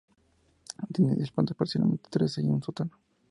Tiene diez plantas, parcialmente trece, y un sótano.